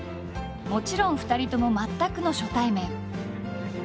もちろん２人とも全くの初対面。